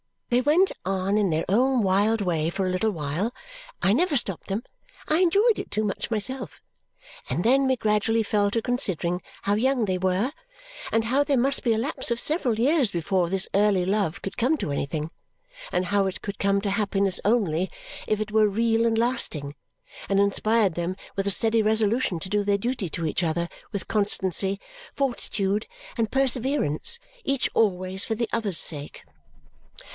They went on in their own wild way for a little while I never stopped them; I enjoyed it too much myself and then we gradually fell to considering how young they were, and how there must be a lapse of several years before this early love could come to anything, and how it could come to happiness only if it were real and lasting and inspired them with a steady resolution to do their duty to each other, with constancy, fortitude, and perseverance, each always for the other's sake.